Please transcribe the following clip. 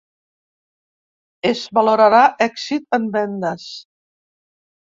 Es valorarà èxit en vendes.